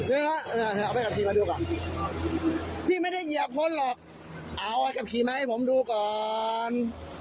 เอาไปขับขี่มาดูก่อนพี่ไม่ได้เหยียบคนหรอกเอาขับขี่มาให้ผมดูก่อน